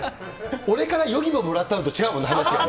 俺からヨギボーもらったのと違うもんね、話がね。